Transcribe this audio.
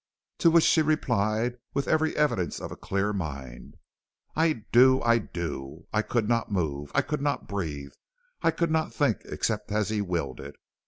"To which she replied with every evidence of a clear mind "'I do; I do. I could not move, I could not breathe, I could not think except as he willed it.